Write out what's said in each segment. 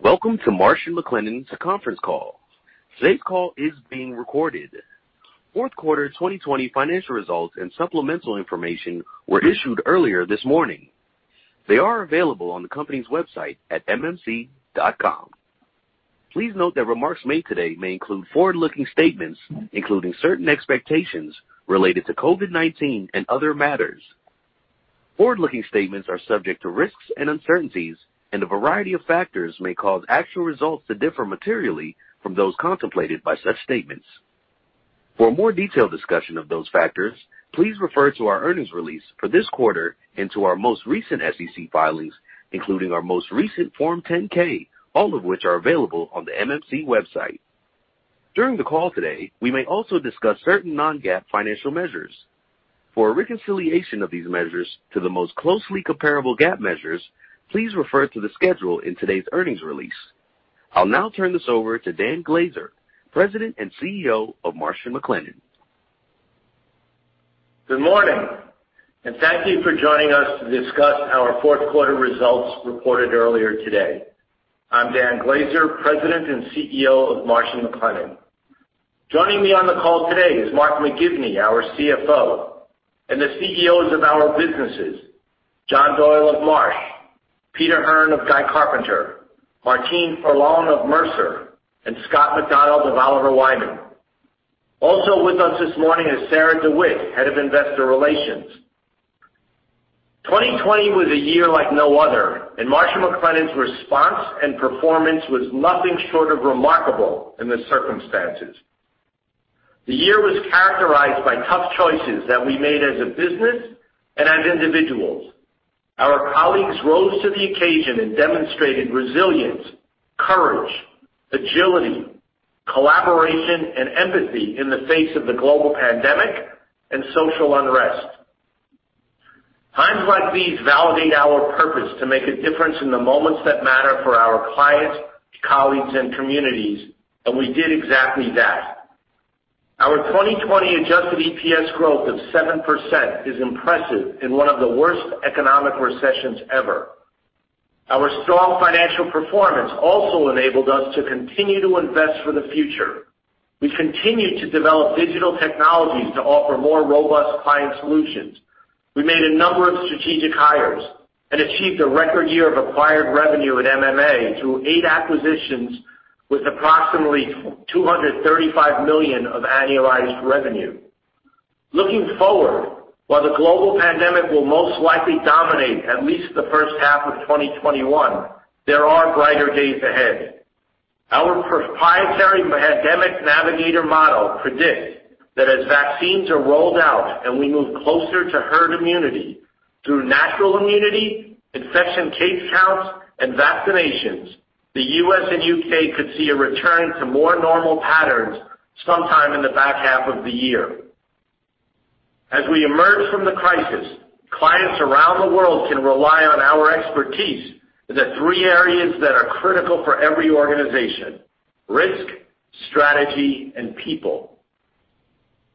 Welcome to Marsh & McLennan's conference call. Today's call is being recorded. Fourth quarter 2020 financial results and supplemental information were issued earlier this morning. They are available on the company's website at mmc.com. Please note that remarks made today may include forward-looking statements, including certain expectations related to COVID-19 and other matters. Forward-looking statements are subject to risks and uncertainties, and a variety of factors may cause actual results to differ materially from those contemplated by such statements. For a more detailed discussion of those factors, please refer to our earnings release for this quarter and to our most recent SEC filings, including our most recent Form 10-K, all of which are available on the MMC website. During the call today, we may also discuss certain non-GAAP financial measures. For a reconciliation of these measures to the most closely comparable GAAP measures, please refer to the schedule in today's earnings release. I'll now turn this over to Dan Glaser, President and CEO of Marsh & McLennan. Good morning, and thank you for joining us to discuss our fourth quarter results reported earlier today. I'm Dan Glaser, President and CEO of Marsh & McLennan. Joining me on the call today is Mark McGivney, our CFO, and the CEOs of our businesses, John Doyle of Marsh, Peter Hearn of Guy Carpenter, Martine Ferland of Mercer, and Scott McDonald of Oliver Wyman. Also with us this morning is Sarah DeWitt, Head of Investor Relations. 2020 was a year like no other, and Marsh & McLennan's response and performance was nothing short of remarkable in the circumstances. The year was characterized by tough choices that we made as a business and as individuals. Our colleagues rose to the occasion and demonstrated resilience, courage, agility, collaboration, and empathy in the face of the global pandemic and social unrest. Times like these validate our purpose to make a difference in the moments that matter for our clients, colleagues, and communities, and we did exactly that. Our 2020 adjusted EPS growth of 7% is impressive in one of the worst economic recessions ever. Our strong financial performance also enabled us to continue to invest for the future. We continued to develop digital technologies to offer more robust client solutions. We made a number of strategic hires and achieved a record year of acquired revenue at MMA through eight acquisitions with approximately $235 million of annualized revenue. Looking forward, while the global pandemic will most likely dominate at least the first half of 2021, there are brighter days ahead. Our proprietary Pandemic Navigator model predicts that as vaccines are rolled out and we move closer to herd immunity through natural immunity, infection case counts, and vaccinations, the U.S. and U.K. could see a return to more normal patterns sometime in the back half of the year. As we emerge from the crisis, clients around the world can rely on our expertise in the three areas that are critical for every organization: risk, strategy, and people.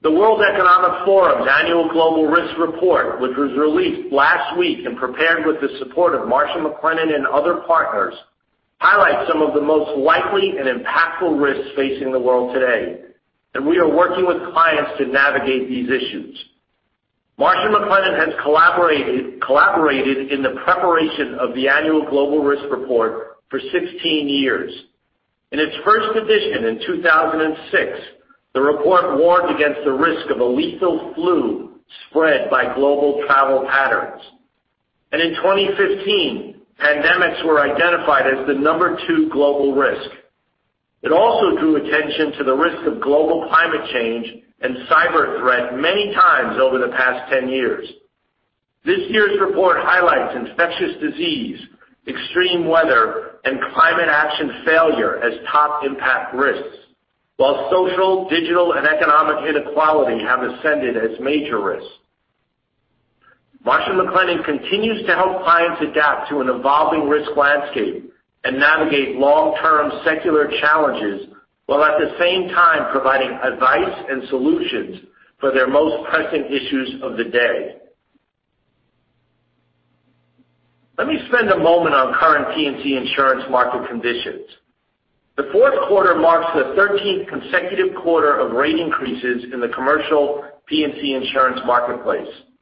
The World Economic Forum's annual Global Risks Report, which was released last week and prepared with the support of Marsh & McLennan and other partners, highlights some of the most likely and impactful risks facing the world today, and we are working with clients to navigate these issues. Marsh & McLennan has collaborated in the preparation of the annual Global Risks Report for 16 years. In its first edition in 2006, the report warned against the risk of a lethal flu spread by global travel patterns, and in 2015, pandemics were identified as the number two global risk. It also drew attention to the risk of global climate change and cyber threat many times over the past 10 years. This year's report highlights infectious disease, extreme weather, and climate action failure as top impact risks, while social, digital, and economic inequality have ascended as major risks. Marsh & McLennan continues to help clients adapt to an evolving risk landscape and navigate long-term secular challenges while at the same time providing advice and solutions for their most pressing issues of the day. Let me spend a moment on current P&C insurance market conditions. The fourth quarter marks the 13th consecutive quarter of rate increases in the commercial P&C insurance marketplace. The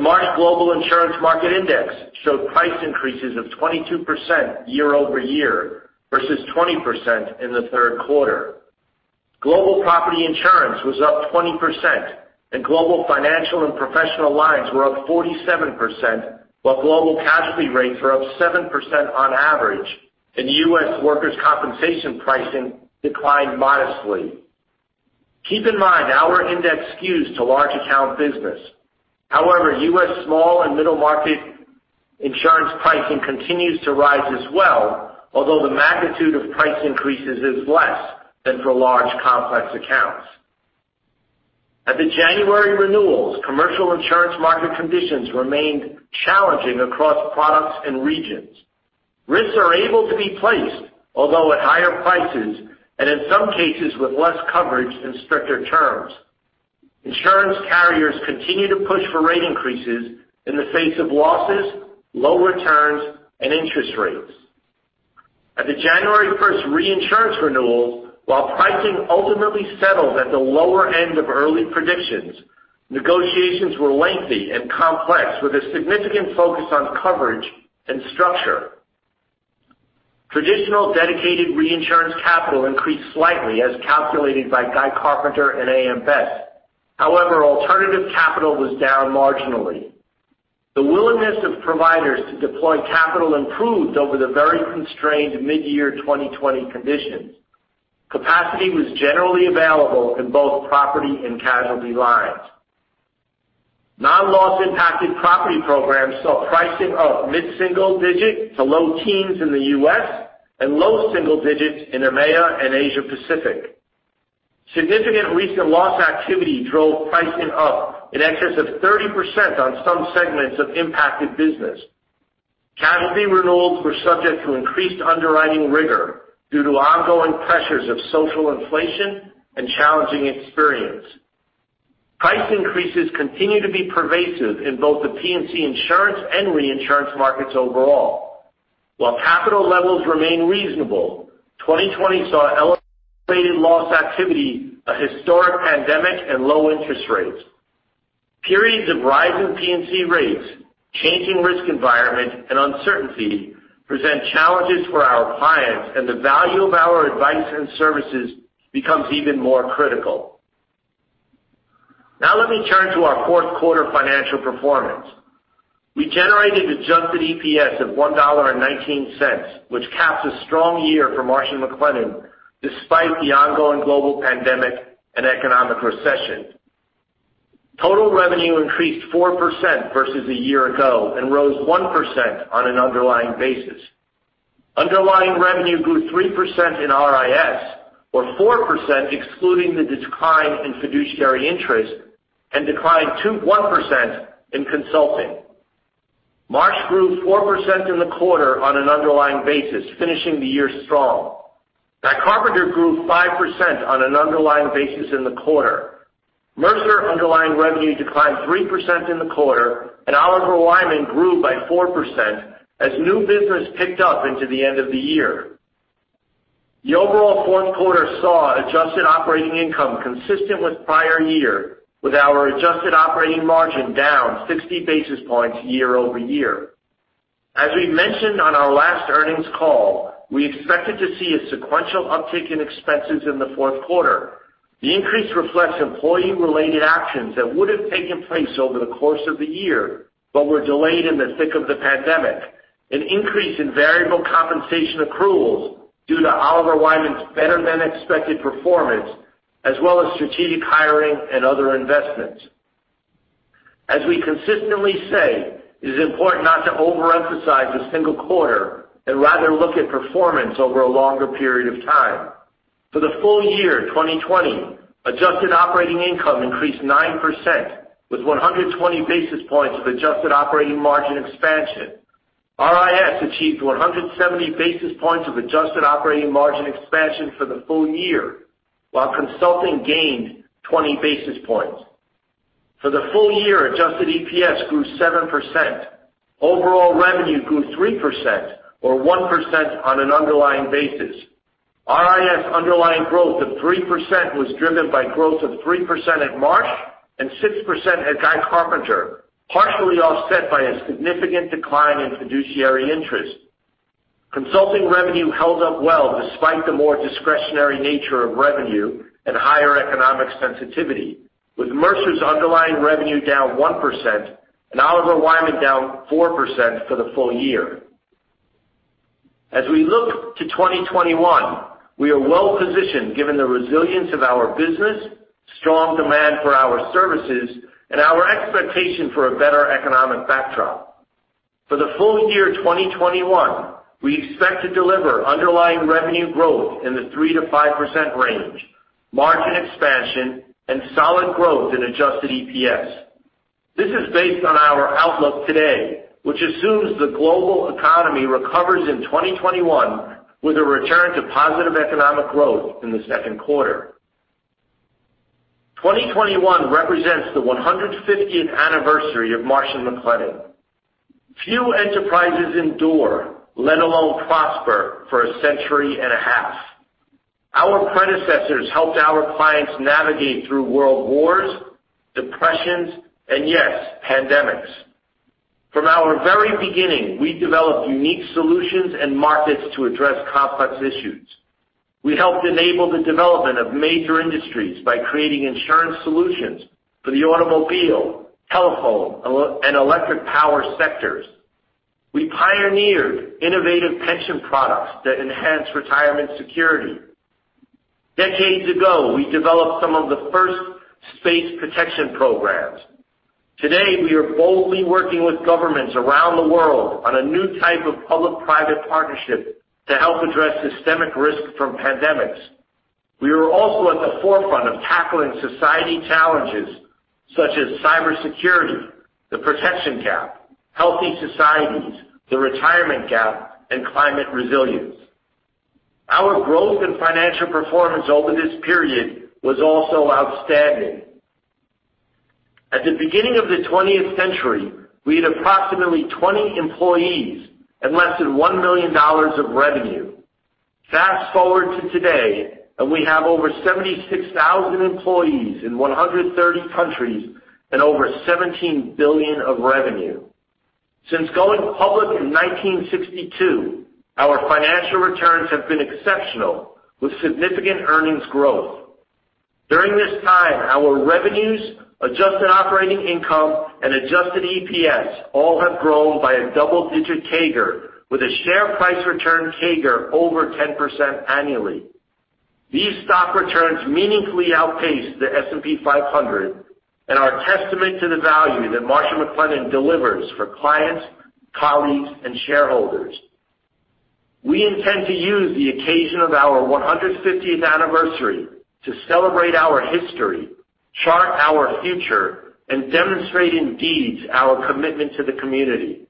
Marsh Global Insurance Market Index showed price increases of 22% year over year versus 20% in the third quarter. Global property insurance was up 20%, and global financial and professional lines were up 47%, while global casualty rates were up 7% on average, and US workers' compensation pricing declined modestly. Keep in mind our index skews to large account business. However, US small and middle market insurance pricing continues to rise as well, although the magnitude of price increases is less than for large complex accounts. At the January renewals, commercial insurance market conditions remained challenging across products and regions. Risks are able to be placed, although at higher prices and in some cases with less coverage and stricter terms. Insurance carriers continue to push for rate increases in the face of losses, low returns, and interest rates. At the January 1st reinsurance renewals, while pricing ultimately settled at the lower end of early predictions, negotiations were lengthy and complex with a significant focus on coverage and structure. Traditional dedicated reinsurance capital increased slightly as calculated by Guy Carpenter and AM Best. However, alternative capital was down marginally. The willingness of providers to deploy capital improved over the very constrained mid-year 2020 conditions. Capacity was generally available in both property and casualty lines. Non-loss impacted property programs saw pricing up mid-single digit to low teens in the US and low single digits in EMEA and Asia Pacific. Significant recent loss activity drove pricing up in excess of 30% on some segments of impacted business. Casualty renewals were subject to increased underwriting rigor due to ongoing pressures of social inflation and challenging experience. Price increases continue to be pervasive in both the P&C insurance and reinsurance markets overall. While capital levels remain reasonable, 2020 saw elevated loss activity, a historic pandemic, and low interest rates. Periods of rising P&C rates, changing risk environment, and uncertainty present challenges for our clients, and the value of our advice and services becomes even more critical. Now let me turn to our fourth quarter financial performance. We generated adjusted EPS of $1.19, which capped a strong year for Marsh & McLennan despite the ongoing global pandemic and economic recession. Total revenue increased 4% versus a year ago and rose 1% on an underlying basis. Underlying revenue grew 3% in RIS, or 4% excluding the decline in fiduciary interest, and declined 1% in consulting. Marsh grew 4% in the quarter on an underlying basis, finishing the year strong. Guy Carpenter grew 5% on an underlying basis in the quarter. Mercer underlying revenue declined 3% in the quarter, and Oliver Wyman grew by 4% as new business picked up into the end of the year. The overall fourth quarter saw adjusted operating income consistent with prior year, with our adjusted operating margin down 60 basis points year over year. As we mentioned on our last earnings call, we expected to see a sequential uptick in expenses in the fourth quarter. The increase reflects employee-related actions that would have taken place over the course of the year but were delayed in the thick of the pandemic, an increase in variable compensation accruals due to Oliver Wyman's better-than-expected performance, as well as strategic hiring and other investments. As we consistently say, it is important not to overemphasize a single quarter and rather look at performance over a longer period of time. For the full year, 2020, adjusted operating income increased 9% with 120 basis points of adjusted operating margin expansion. RIS achieved 170 basis points of adjusted operating margin expansion for the full year, while consulting gained 20 basis points. For the full year, adjusted EPS grew 7%. Overall revenue grew 3%, or 1% on an underlying basis. RIS underlying growth of 3% was driven by growth of 3% at Marsh and 6% at Guy Carpenter, partially offset by a significant decline in fiduciary interest. Consulting revenue held up well despite the more discretionary nature of revenue and higher economic sensitivity, with Mercer's underlying revenue down 1% and Oliver Wyman down 4% for the full year. As we look to 2021, we are well positioned given the resilience of our business, strong demand for our services, and our expectation for a better economic backdrop. For the full year 2021, we expect to deliver underlying revenue growth in the 3-5% range, margin expansion, and solid growth in adjusted EPS. This is based on our outlook today, which assumes the global economy recovers in 2021 with a return to positive economic growth in the second quarter. 2021 represents the 150th anniversary of Marsh & McLennan. Few enterprises endure, let alone prosper, for a century and a half. Our predecessors helped our clients navigate through world wars, depressions, and yes, pandemics. From our very beginning, we developed unique solutions and markets to address complex issues. We helped enable the development of major industries by creating insurance solutions for the automobile, telephone, and electric power sectors. We pioneered innovative pension products that enhance retirement security. Decades ago, we developed some of the first space protection programs. Today, we are boldly working with governments around the world on a new type of public-private partnership to help address systemic risk from pandemics. We are also at the forefront of tackling society challenges such as cybersecurity, the protection gap, healthy societies, the retirement gap, and climate resilience. Our growth and financial performance over this period was also outstanding. At the beginning of the 20th century, we had approximately 20 employees and less than $1 million of revenue. Fast forward to today, and we have over 76,000 employees in 130 countries and over $17 billion of revenue. Since going public in 1962, our financial returns have been exceptional with significant earnings growth. During this time, our revenues, adjusted operating income, and adjusted EPS all have grown by a double-digit CAGR, with a share price return CAGR over 10% annually. These stock returns meaningfully outpaced the S&P 500 and are a testament to the value that Marsh & McLennan delivers for clients, colleagues, and shareholders. We intend to use the occasion of our 150th anniversary to celebrate our history, chart our future, and demonstrate indeed our commitment to the community.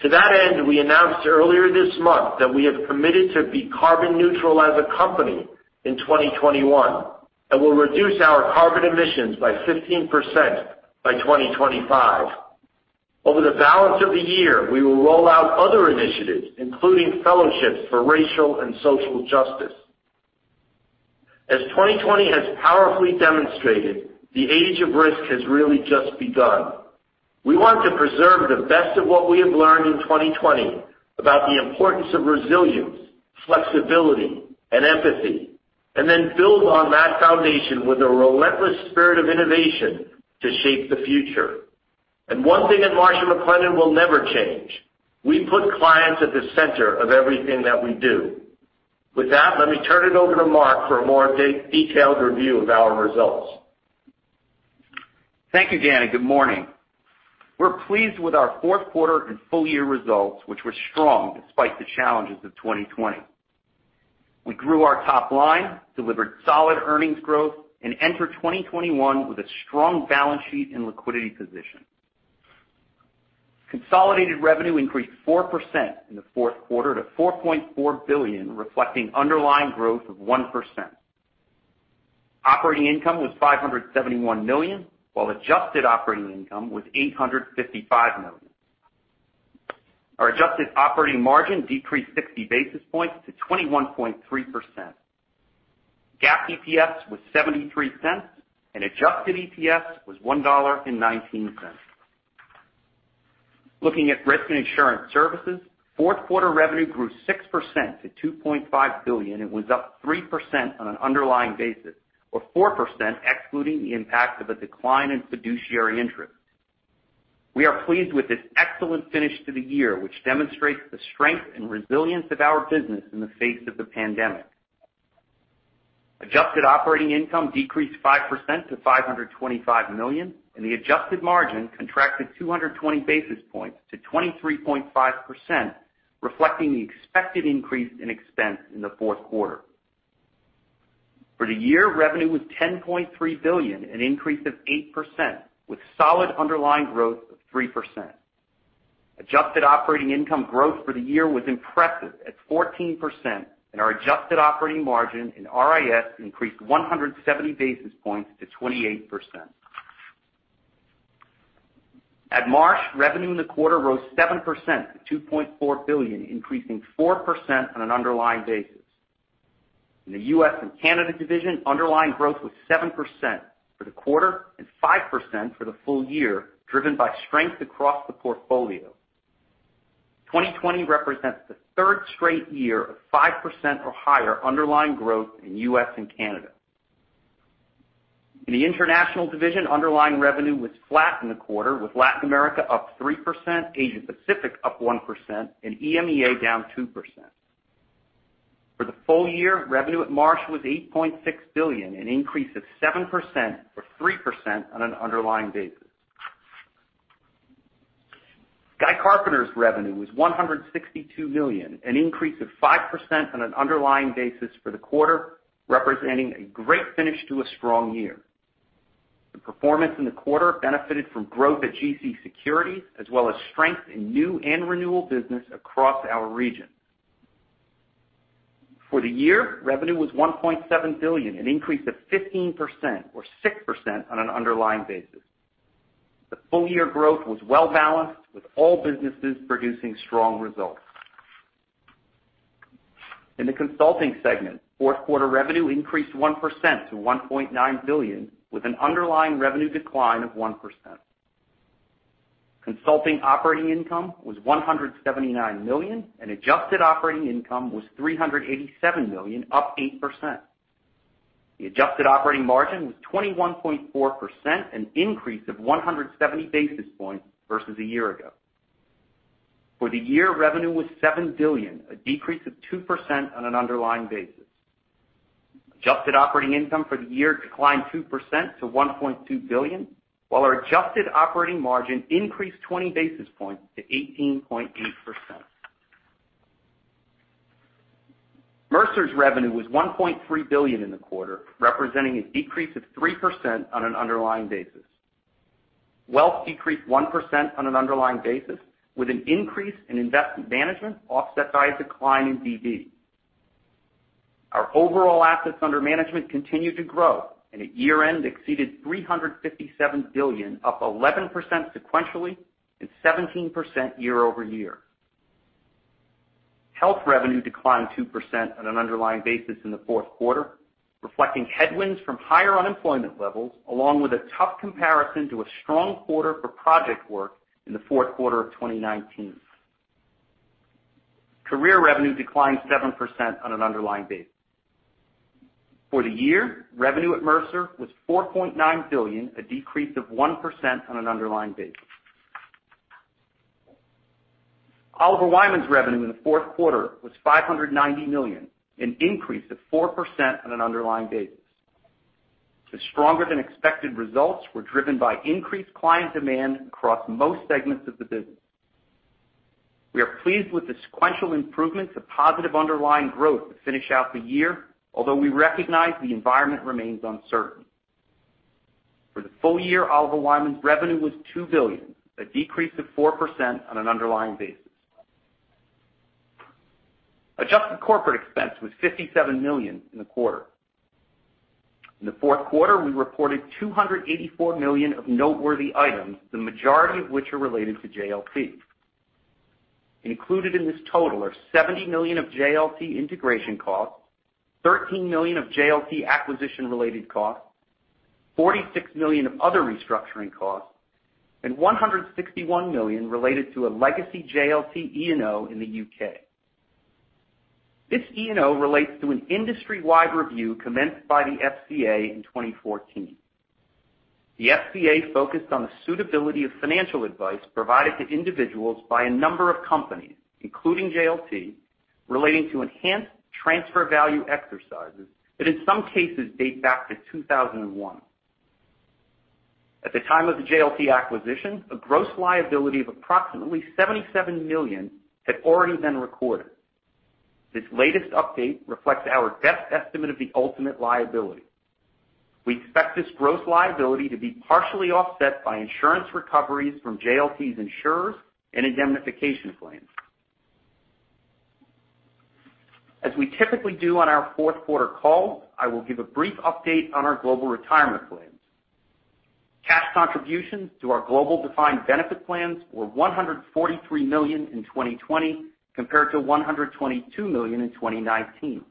To that end, we announced earlier this month that we have committed to be carbon neutral as a company in 2021 and will reduce our carbon emissions by 15% by 2025. Over the balance of the year, we will roll out other initiatives, including fellowships for racial and social justice. As 2020 has powerfully demonstrated, the age of risk has really just begun. We want to preserve the best of what we have learned in 2020 about the importance of resilience, flexibility, and empathy, and then build on that foundation with a relentless spirit of innovation to shape the future. One thing that Marsh & McLennan will never change: we put clients at the center of everything that we do. With that, let me turn it over to Mark for a more detailed review of our results. Thank you, Danny. Good morning. We're pleased with our fourth quarter and full year results, which were strong despite the challenges of 2020. We grew our top line, delivered solid earnings growth, and entered 2021 with a strong balance sheet and liquidity position. Consolidated revenue increased 4% in the fourth quarter to $4.4 billion, reflecting underlying growth of 1%. Operating income was $571 million, while adjusted operating income was $855 million. Our adjusted operating margin decreased 60 basis points to 21.3%. GAAP EPS was $0.73, and adjusted EPS was $1.19. Looking at risk and insurance services, fourth quarter revenue grew 6% to $2.5 billion. It was up 3% on an underlying basis, or 4% excluding the impact of a decline in fiduciary interest. We are pleased with this excellent finish to the year, which demonstrates the strength and resilience of our business in the face of the pandemic. Adjusted operating income decreased 5% to $525 million, and the adjusted margin contracted 220 basis points to 23.5%, reflecting the expected increase in expense in the fourth quarter. For the year, revenue was $10.3 billion, an increase of 8%, with solid underlying growth of 3%. Adjusted operating income growth for the year was impressive at 14%, and our adjusted operating margin in RIS increased 170 basis points to 28%. At Marsh, revenue in the quarter rose 7% to $2.4 billion, increasing 4% on an underlying basis. In the US and Canada division, underlying growth was 7% for the quarter and 5% for the full year, driven by strength across the portfolio. 2020 represents the third straight year of 5% or higher underlying growth in US and Canada. In the international division, underlying revenue was flat in the quarter, with Latin America up 3%, Asia Pacific up 1%, and EMEA down 2%. For the full year, revenue at Marsh was $8.6 billion, an increase of 7% or 3% on an underlying basis. Guy Carpenter's revenue was $162 million, an increase of 5% on an underlying basis for the quarter, representing a great finish to a strong year. The performance in the quarter benefited from growth at GC Securities, as well as strength in new and renewal business across our region. For the year, revenue was $1.7 billion, an increase of 15% or 6% on an underlying basis. The full year growth was well balanced, with all businesses producing strong results. In the consulting segment, fourth quarter revenue increased 1% to $1.9 billion, with an underlying revenue decline of 1%. Consulting operating income was $179 million, and adjusted operating income was $387 million, up 8%. The adjusted operating margin was 21.4%, an increase of 170 basis points versus a year ago. For the year, revenue was $7 billion, a decrease of 2% on an underlying basis. Adjusted operating income for the year declined 2% to $1.2 billion, while our adjusted operating margin increased 20 basis points to 18.8%. Mercer's revenue was $1.3 billion in the quarter, representing a decrease of 3% on an underlying basis. Wealth decreased 1% on an underlying basis, with an increase in investment management offset by a decline in DB. Our overall assets under management continued to grow, and at year-end exceeded $357 billion, up 11% sequentially and 17% year over year. Health revenue declined 2% on an underlying basis in the fourth quarter, reflecting headwinds from higher unemployment levels, along with a tough comparison to a strong quarter for project work in the fourth quarter of 2019. Career revenue declined 7% on an underlying basis. For the year, revenue at Mercer was $4.9 billion, a decrease of 1% on an underlying basis. Oliver Wyman's revenue in the fourth quarter was $590 million, an increase of 4% on an underlying basis. The stronger-than-expected results were driven by increased client demand across most segments of the business. We are pleased with the sequential improvements of positive underlying growth to finish out the year, although we recognize the environment remains uncertain. For the full year, Oliver Wyman's revenue was $2 billion, a decrease of 4% on an underlying basis. Adjusted corporate expense was $57 million in the quarter. In the fourth quarter, we reported $284 million of noteworthy items, the majority of which are related to JLT. Included in this total are $70 million of JLT integration costs, $13 million of JLT acquisition-related costs, $46 million of other restructuring costs, and $161 million related to a legacy JLT E&O in the U.K. This E&O relates to an industry-wide review commenced by the FCA in 2014. The FCA focused on the suitability of financial advice provided to individuals by a number of companies, including JLT, relating to enhanced transfer value exercises that in some cases date back to 2001. At the time of the JLT acquisition, a gross liability of approximately $77 million had already been recorded. This latest update reflects our best estimate of the ultimate liability. We expect this gross liability to be partially offset by insurance recoveries from JLT's insurers and indemnification claims. As we typically do on our fourth quarter calls, I will give a brief update on our global retirement plans. Cash contributions to our global defined benefit plans were $143 million in 2020 compared to $122 million in 2019.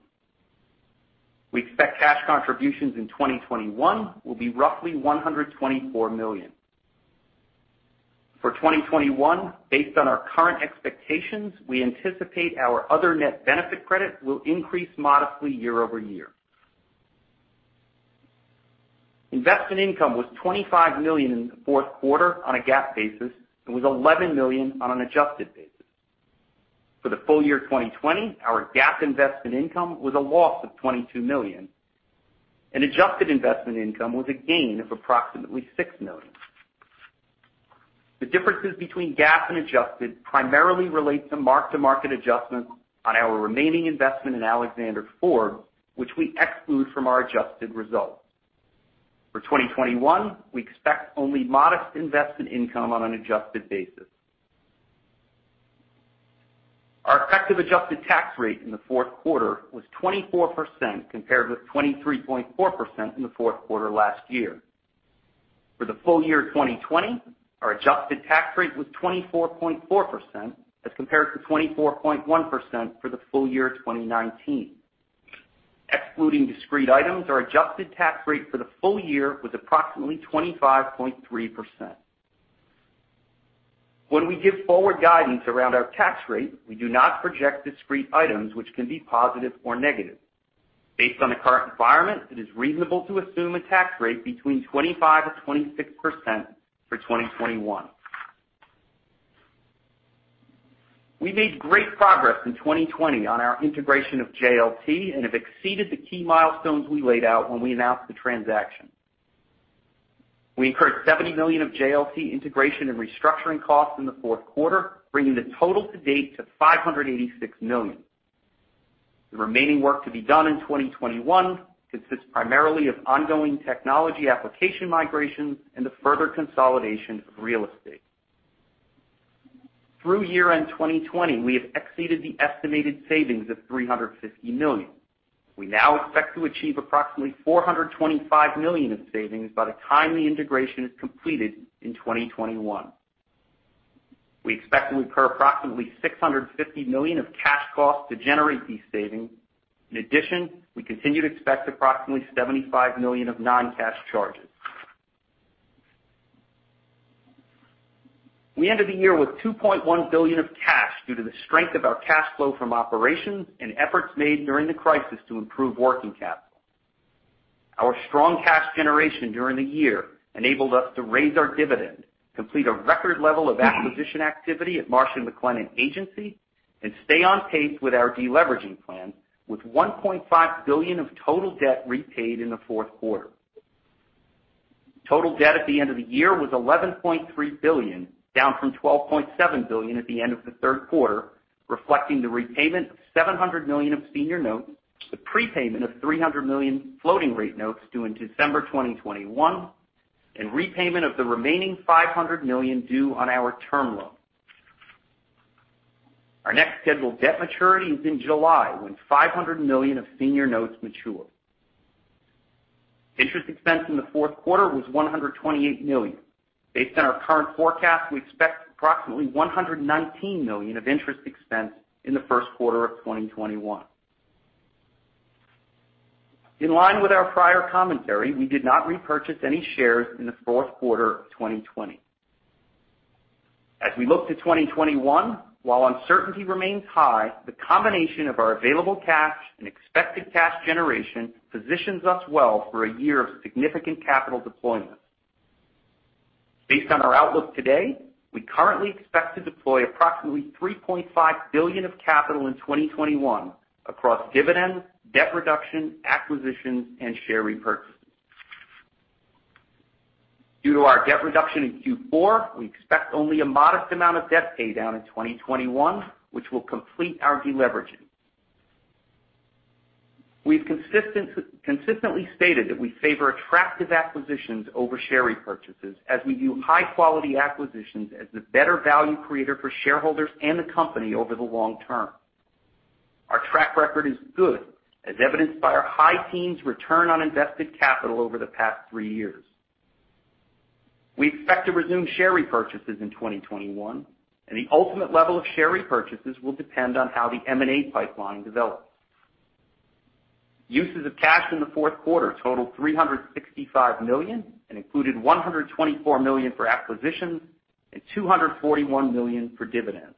We expect cash contributions in 2021 will be roughly $124 million. For 2021, based on our current expectations, we anticipate our other net benefit credit will increase modestly year over year. Investment income was $25 million in the fourth quarter on a GAAP basis and was $11 million on an adjusted basis. For the full year 2020, our GAAP investment income was a loss of $22 million, and adjusted investment income was a gain of approximately $6 million. The differences between GAAP and adjusted primarily relate to mark-to-market adjustments on our remaining investment in Alexander Forbes, which we exclude from our adjusted results. For 2021, we expect only modest investment income on an adjusted basis. Our effective adjusted tax rate in the fourth quarter was 24% compared with 23.4% in the fourth quarter last year. For the full year 2020, our adjusted tax rate was 24.4% as compared to 24.1% for the full year 2019. Excluding discrete items, our adjusted tax rate for the full year was approximately 25.3%. When we give forward guidance around our tax rate, we do not project discrete items, which can be positive or negative. Based on the current environment, it is reasonable to assume a tax rate between 25%-26% for 2021. We made great progress in 2020 on our integration of JLT and have exceeded the key milestones we laid out when we announced the transaction. We incurred $70 million of JLT integration and restructuring costs in the fourth quarter, bringing the total to date to $586 million. The remaining work to be done in 2021 consists primarily of ongoing technology application migrations and the further consolidation of real estate. Through year-end 2020, we have exceeded the estimated savings of $350 million. We now expect to achieve approximately $425 million in savings by the time the integration is completed in 2021. We expect to incur approximately $650 million of cash costs to generate these savings. In addition, we continue to expect approximately $75 million of non-cash charges. We ended the year with $2.1 billion of cash due to the strength of our cash flow from operations and efforts made during the crisis to improve working capital. Our strong cash generation during the year enabled us to raise our dividend, complete a record level of acquisition activity at Marsh & McLennan Agency, and stay on pace with our deleveraging plans, with $1.5 billion of total debt repaid in the fourth quarter. Total debt at the end of the year was $11.3 billion, down from $12.7 billion at the end of the third quarter, reflecting the repayment of $700 million of senior notes, the prepayment of $300 million floating rate notes due in December 2021, and repayment of the remaining $500 million due on our term loan. Our next scheduled debt maturity is in July when $500 million of senior notes mature. Interest expense in the fourth quarter was $128 million. Based on our current forecast, we expect approximately $119 million of interest expense in the first quarter of 2021. In line with our prior commentary, we did not repurchase any shares in the fourth quarter of 2020. As we look to 2021, while uncertainty remains high, the combination of our available cash and expected cash generation positions us well for a year of significant capital deployment. Based on our outlook today, we currently expect to deploy approximately $3.5 billion of capital in 2021 across dividends, debt reduction, acquisitions, and share repurchases. Due to our debt reduction in Q4, we expect only a modest amount of debt paydown in 2021, which will complete our deleveraging. We have consistently stated that we favor attractive acquisitions over share repurchases, as we view high-quality acquisitions as the better value creator for shareholders and the company over the long term. Our track record is good, as evidenced by our high teens return on invested capital over the past three years. We expect to resume share repurchases in 2021, and the ultimate level of share repurchases will depend on how the M&A pipeline develops. Uses of cash in the fourth quarter totaled $365 million and included $124 million for acquisitions and $241 million for dividends.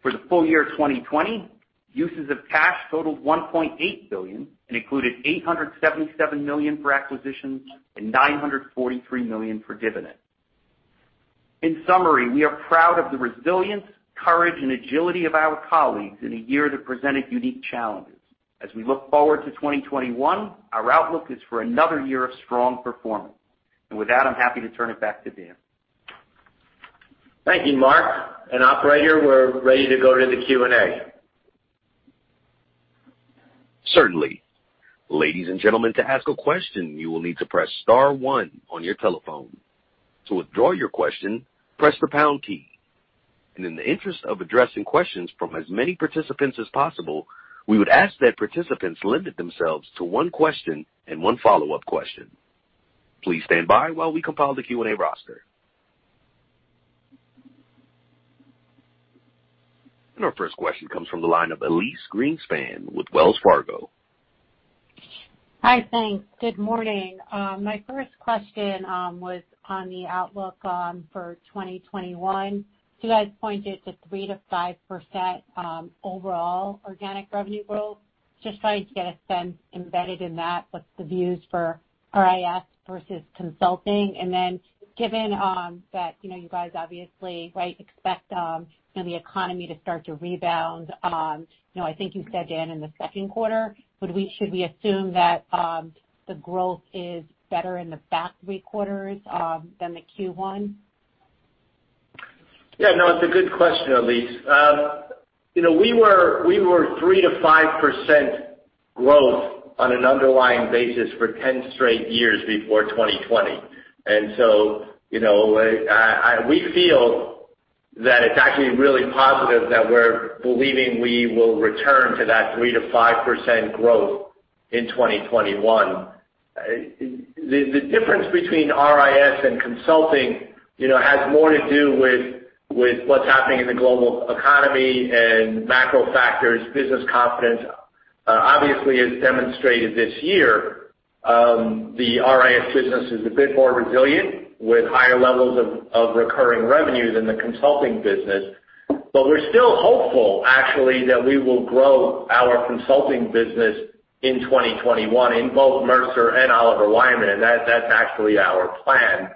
For the full year 2020, uses of cash totaled $1.8 billion and included $877 million for acquisitions and $943 million for dividends. In summary, we are proud of the resilience, courage, and agility of our colleagues in a year that presented unique challenges. As we look forward to 2021, our outlook is for another year of strong performance. With that, I'm happy to turn it back to Dan. Thank you, Mark. Operator, we're ready to go to the Q&A. Certainly. Ladies and gentlemen, to ask a question, you will need to press Star 1 on your telephone. To withdraw your question, press the pound key. In the interest of addressing questions from as many participants as possible, we would ask that participants limit themselves to one question and one follow-up question. Please stand by while we compile the Q&A roster. Our first question comes from the line of Elyse Greenspan with Wells Fargo. Hi, thanks. Good morning. My first question was on the outlook for 2021. You guys pointed to 3%-5% overall organic revenue growth. Just trying to get a sense embedded in that, what's the views for RIS versus consulting? And then given that you guys obviously expect the economy to start to rebound, I think you said, Dan, in the second quarter, should we assume that the growth is better in the back three quarters than the Q1? Yeah, no, it's a good question, Elyse. We were 3%-5% growth on an underlying basis for 10 straight years before 2020. We feel that it's actually really positive that we're believing we will return to that 3%-5% growth in 2021. The difference between RIS and consulting has more to do with what's happening in the global economy and macro factors, business confidence. Obviously, as demonstrated this year, the RIS business is a bit more resilient with higher levels of recurring revenue than the consulting business. We're still hopeful, actually, that we will grow our consulting business in 2021 in both Mercer and Oliver Wyman, and that's actually our plan.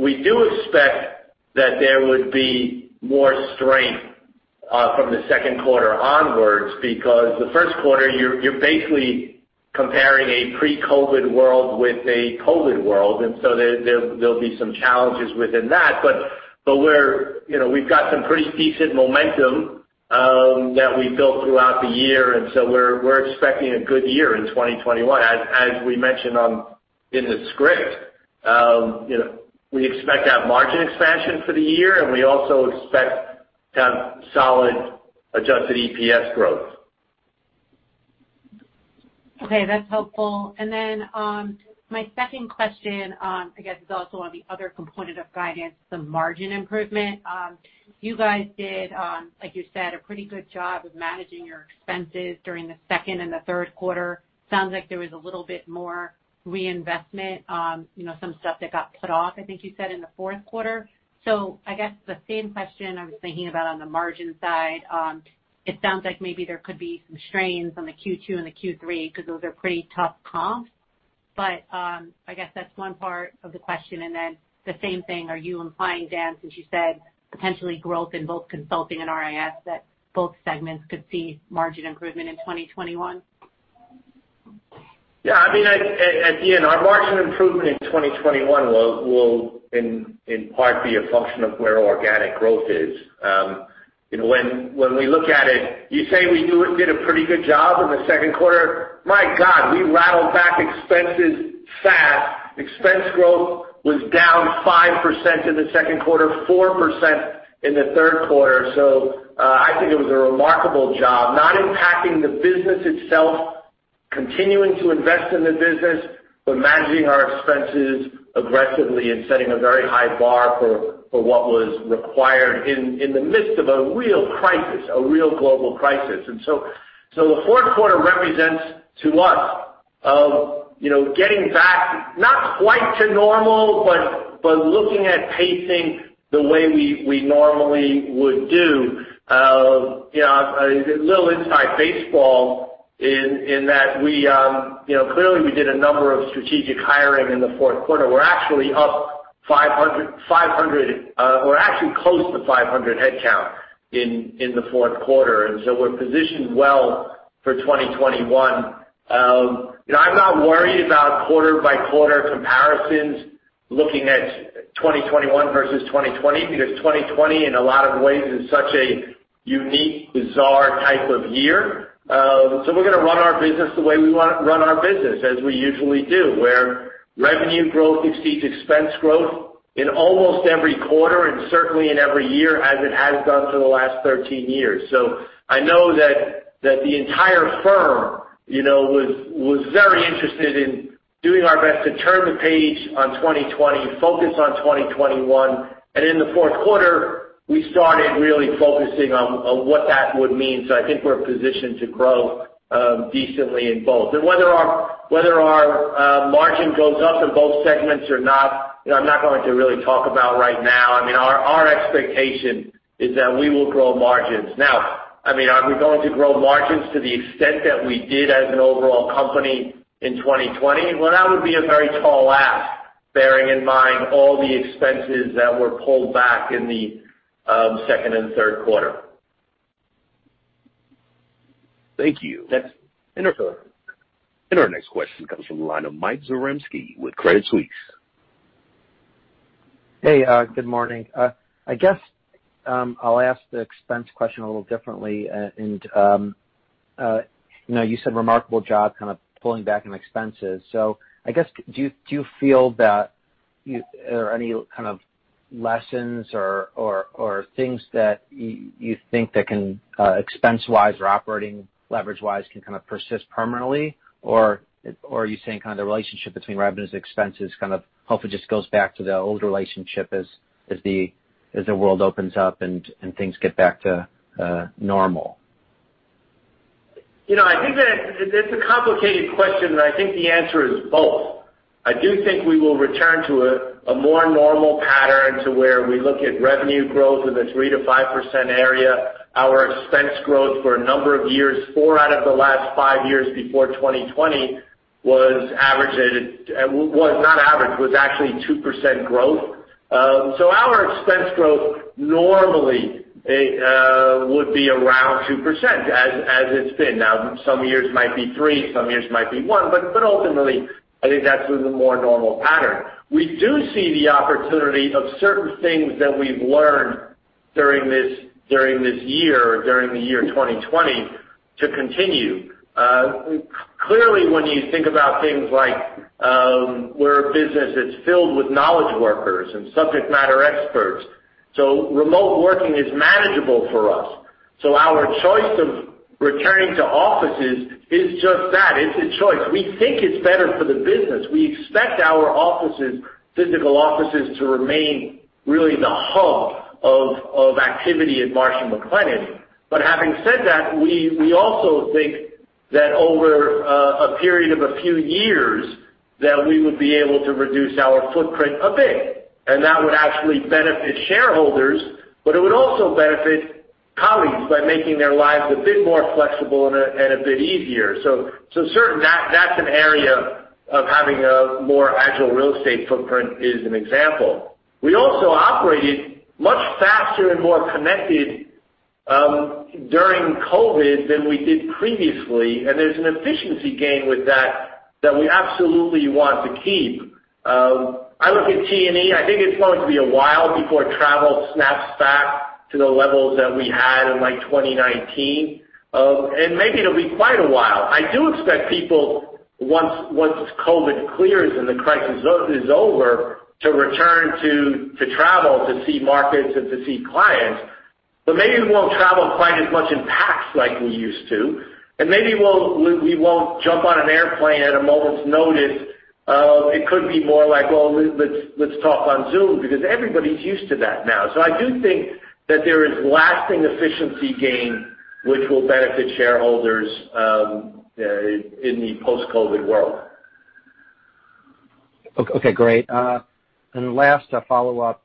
We do expect that there would be more strength from the second quarter onwards because the first quarter, you're basically comparing a pre-COVID world with a COVID world, and so there'll be some challenges within that. We have got some pretty decent momentum that we built throughout the year, and so we're expecting a good year in 2021. As we mentioned in the script, we expect to have margin expansion for the year, and we also expect to have solid adjusted EPS growth. Okay, that's helpful. My second question, I guess, is also on the other component of guidance, the margin improvement. You guys did, like you said, a pretty good job of managing your expenses during the second and the third quarter. It sounds like there was a little bit more reinvestment, some stuff that got put off, I think you said, in the fourth quarter. I guess the same question I was thinking about on the margin side, it sounds like maybe there could be some strains on the Q2 and the Q3 because those are pretty tough comps. I guess that's one part of the question. The same thing, are you implying, Dan, since you said potentially growth in both consulting and RIS, that both segments could see margin improvement in 2021? Yeah, I mean, at the end, our margin improvement in 2021 will in part be a function of where organic growth is. When we look at it, you say we did a pretty good job in the second quarter. My God, we rattled back expenses fast. Expense growth was down 5% in the second quarter, 4% in the third quarter. I think it was a remarkable job, not impacting the business itself, continuing to invest in the business, but managing our expenses aggressively and setting a very high bar for what was required in the midst of a real crisis, a real global crisis. The fourth quarter represents to us getting back, not quite to normal, but looking at pacing the way we normally would do. A little inside baseball in that clearly we did a number of strategic hiring in the fourth quarter. We're actually up 500; we're actually close to 500 headcount in the fourth quarter. We're positioned well for 2021. I'm not worried about quarter-by-quarter comparisons looking at 2021 versus 2020 because 2020, in a lot of ways, is such a unique, bizarre type of year. We're going to run our business the way we run our business, as we usually do, where revenue growth exceeds expense growth in almost every quarter and certainly in every year as it has done for the last 13 years. I know that the entire firm was very interested in doing our best to turn the page on 2020, focus on 2021. In the fourth quarter, we started really focusing on what that would mean. I think we're positioned to grow decently in both. Whether our margin goes up in both segments or not, I'm not going to really talk about right now. I mean, our expectation is that we will grow margins. Now, I mean, are we going to grow margins to the extent that we did as an overall company in 2020? That would be a very tall ask, bearing in mind all the expenses that were pulled back in the second and third quarter. Thank you. That's in order. Our next question comes from the line of Mike Zaremski with Credit Suisse. Hey, good morning. I guess I'll ask the expense question a little differently. You said remarkable job kind of pulling back on expenses. I guess, do you feel that there are any kind of lessons or things that you think that can, expense-wise or operating leverage-wise, can kind of persist permanently? Are you saying kind of the relationship between revenues and expenses kind of hopefully just goes back to the old relationship as the world opens up and things get back to normal? I think that that's a complicated question, and I think the answer is both. I do think we will return to a more normal pattern to where we look at revenue growth in the 3%-5% area. Our expense growth for a number of years, four out of the last five years before 2020, was average; it was not average, was actually 2% growth. So our expense growth normally would be around 2%, as it's been. Now, some years might be 3%, some years might be 1%, but ultimately, I think that's the more normal pattern. We do see the opportunity of certain things that we've learned during this year, during the year 2020, to continue. Clearly, when you think about things like we're a business that's filled with knowledge workers and subject matter experts, so remote working is manageable for us. Our choice of returning to offices is just that. It's a choice. We think it's better for the business. We expect our physical offices to remain really the hub of activity at Marsh & McLennan. Having said that, we also think that over a period of a few years, we would be able to reduce our footprint a bit. That would actually benefit shareholders, but it would also benefit colleagues by making their lives a bit more flexible and a bit easier. Certainly, that's an area of having a more agile real estate footprint as an example. We also operated much faster and more connected during COVID than we did previously. There's an efficiency gain with that that we absolutely want to keep. I look at T&E. I think it's going to be a while before travel snaps back to the levels that we had in 2019. Maybe it'll be quite a while. I do expect people, once COVID clears and the crisis is over, to return to travel to see markets and to see clients. Maybe we won't travel quite as much in packs like we used to. Maybe we won't jump on an airplane at a moment's notice. It could be more like, "Well, let's talk on Zoom," because everybody's used to that now. I do think that there is lasting efficiency gain which will benefit shareholders in the post-COVID world. Okay, great. Last follow-up,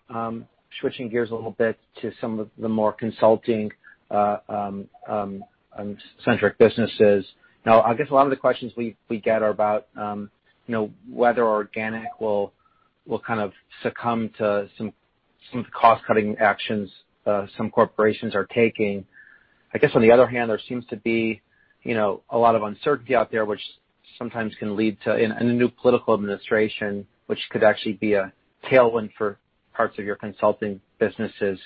switching gears a little bit to some of the more consulting-centric businesses. Now, I guess a lot of the questions we get are about whether organic will kind of succumb to some of the cost-cutting actions some corporations are taking. I guess, on the other hand, there seems to be a lot of uncertainty out there, which sometimes can lead to a new political administration, which could actually be a tailwind for parts of your consulting businesses.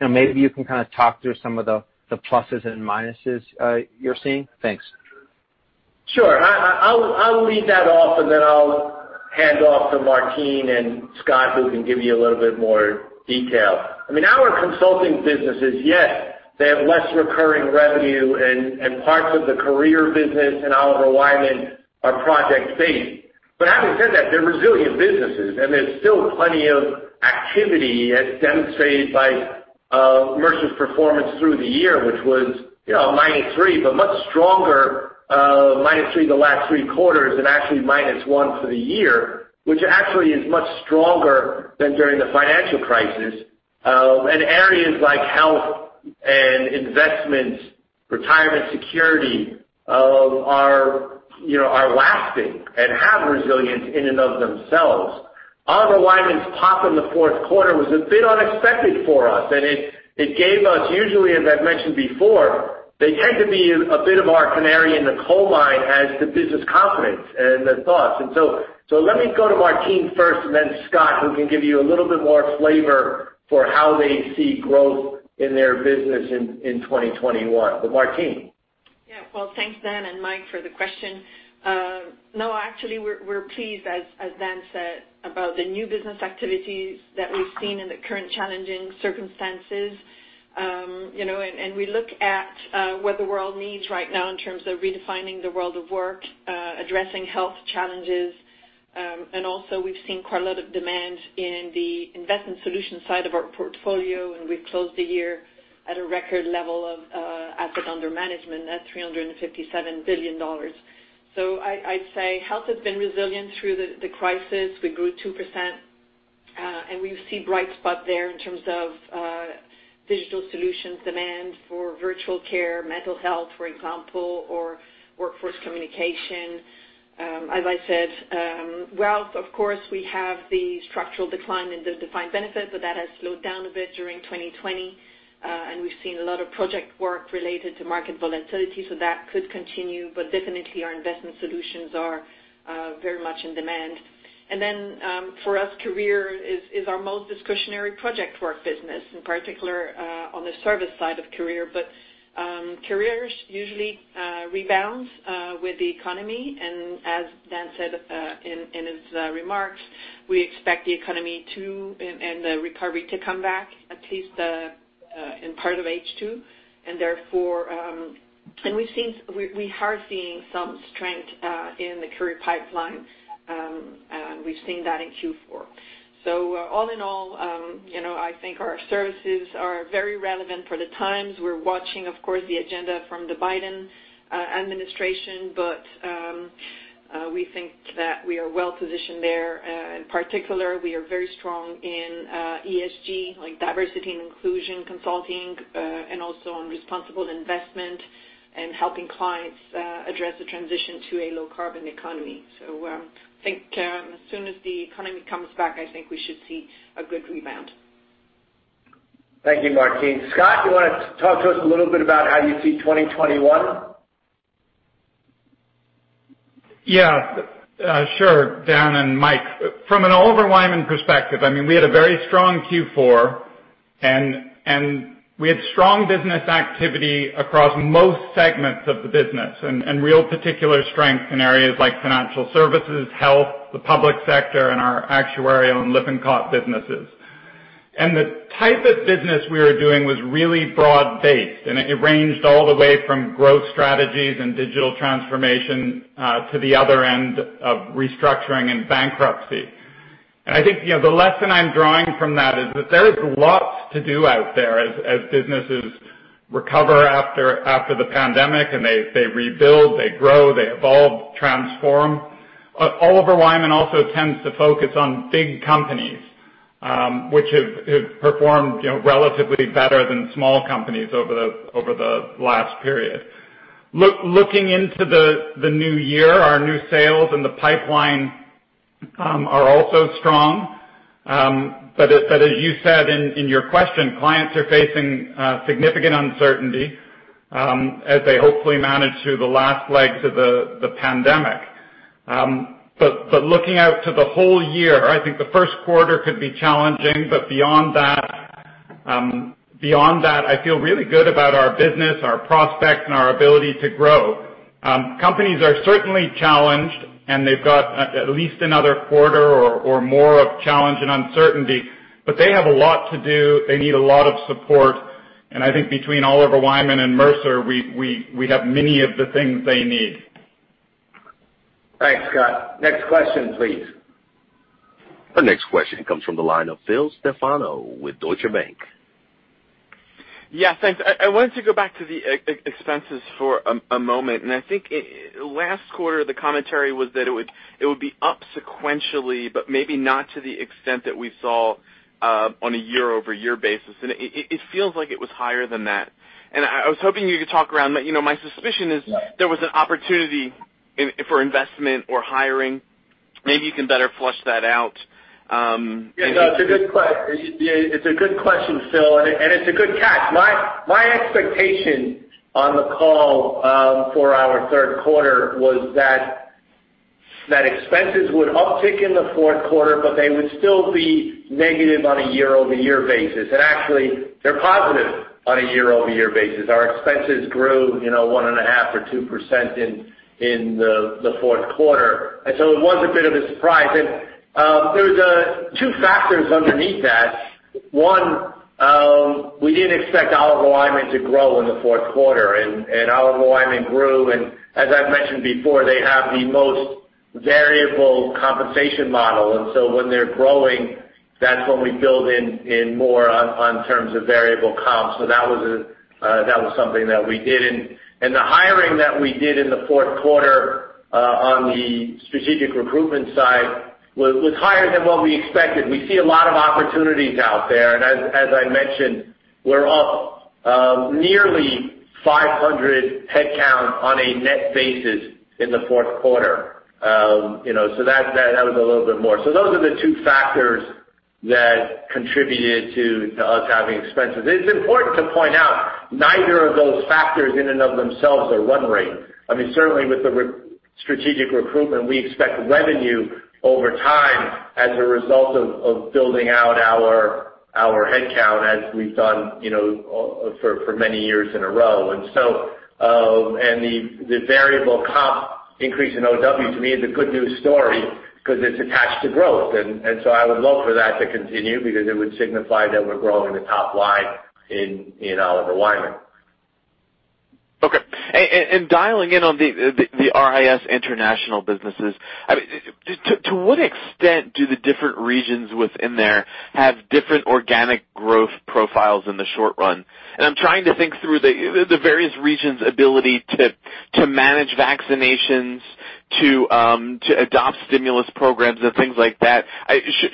Maybe you can kind of talk through some of the pluses and minuses you're seeing. Thanks. Sure. I'll leave that off, and then I'll hand off to Martine and Scott, who can give you a little bit more detail. I mean, our consulting businesses, yes, they have less recurring revenue, and parts of the career business and Oliver Wyman are project-based. Having said that, they're resilient businesses, and there's still plenty of activity as demonstrated by Mercer's performance through the year, which was -3%, but much stronger -3% the last three quarters and actually -1% for the year, which actually is much stronger than during the financial crisis. Areas like health and investments, retirement security are lasting and have resilience in and of themselves. Oliver Wyman's pop in the fourth quarter was a bit unexpected for us, and it gave us, usually, as I've mentioned before, they tend to be a bit of our canary in the coal mine as to business confidence and the thoughts. Let me go to Martine first and then Scott, who can give you a little bit more flavor for how they see growth in their business in 2021. Martine. Yeah, thanks, Dan and Mike for the question. No, actually, we're pleased, as Dan said, about the new business activities that we've seen in the current challenging circumstances. We look at what the world needs right now in terms of redefining the world of work, addressing health challenges. Also, we've seen quite a lot of demand in the investment solution side of our portfolio, and we've closed the year at a record level of asset under management at $357 billion. I'd say health has been resilient through the crisis. We grew 2%, and we see bright spots there in terms of digital solutions demand for virtual care, mental health, for example, or workforce communication. As I said, Wealth, of course, we have the structural decline in the defined benefit, but that has slowed down a bit during 2020. We have seen a lot of project work related to market volatility, so that could continue. Our investment solutions are very much in demand. For us, career is our most discretionary project work business, in particular on the service side of career. Careers usually rebound with the economy. As Dan said in his remarks, we expect the economy and the recovery to come back, at least in part of H2. We are seeing some strength in the career pipeline, and we have seen that in Q4. All in all, I think our services are very relevant for the times. We are watching, of course, the agenda from the Biden administration, but we think that we are well positioned there. In particular, we are very strong in ESG, like diversity and inclusion consulting, and also on responsible investment and helping clients address the transition to a low-carbon economy. I think as soon as the economy comes back, I think we should see a good rebound. Thank you, Martine. Scott, do you want to talk to us a little bit about how you see 2021? Yeah, sure, Dan and Mike. From an Oliver Wyman perspective, I mean, we had a very strong Q4, and we had strong business activity across most segments of the business and real particular strengths in areas like financial services, health, the public sector, and our actuarial and Lippincott businesses. The type of business we were doing was really broad-based, and it ranged all the way from growth strategies and digital transformation to the other end of restructuring and bankruptcy. I think the lesson I'm drawing from that is that there is lots to do out there as businesses recover after the pandemic, and they rebuild, they grow, they evolve, transform. Oliver Wyman also tends to focus on big companies, which have performed relatively better than small companies over the last period. Looking into the new year, our new sales and the pipeline are also strong. As you said in your question, clients are facing significant uncertainty as they hopefully manage through the last legs of the pandemic. Looking out to the whole year, I think the first quarter could be challenging. Beyond that, I feel really good about our business, our prospects, and our ability to grow. Companies are certainly challenged, and they've got at least another quarter or more of challenge and uncertainty, but they have a lot to do. They need a lot of support. I think between Oliver Wyman and Mercer, we have many of the things they need. Thanks, Scott. Next question, please. Our next question comes from the line of Phil Stefano with Deutsche Bank. Yeah, thanks. I wanted to go back to the expenses for a moment. I think last quarter, the commentary was that it would be up sequentially, but maybe not to the extent that we saw on a year-over-year basis. It feels like it was higher than that. I was hoping you could talk around, but my suspicion is there was an opportunity for investment or hiring. Maybe you can better flush that out. Yeah, no, it's a good question. It's a good question, Phil, and it's a good catch. My expectation on the call for our third quarter was that expenses would uptick in the fourth quarter, but they would still be negative on a year-over-year basis. Actually, they're positive on a year-over-year basis. Our expenses grew 1.5% or 2% in the fourth quarter. It was a bit of a surprise. There were two factors underneath that. One, we didn't expect Oliver Wyman to grow in the fourth quarter, and Oliver Wyman grew. As I've mentioned before, they have the most variable compensation model. When they're growing, that's when we build in more on terms of variable comp. That was something that we did. The hiring that we did in the fourth quarter on the strategic recruitment side was higher than what we expected. We see a lot of opportunities out there. As I mentioned, we're up nearly 500 headcount on a net basis in the fourth quarter. That was a little bit more. Those are the two factors that contributed to us having expenses. It's important to point out neither of those factors in and of themselves are run rate. I mean, certainly with the strategic recruitment, we expect revenue over time as a result of building out our headcount as we've done for many years in a row. The variable comp increase in OW, to me, is a good news story because it's attached to growth. I would love for that to continue because it would signify that we're growing the top line in Oliver Wyman. Okay. Dialing in on the RIS International businesses, to what extent do the different regions within there have different organic growth profiles in the short run? I'm trying to think through the various regions' ability to manage vaccinations, to adopt stimulus programs, and things like that.